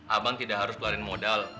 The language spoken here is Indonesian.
abang tidak harus keluarin modal